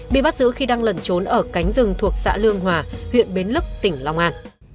bị bắt giữ khi đang lẩn trốn ở cánh rừng thuộc xã lương hòa huyện bến lức tỉnh long an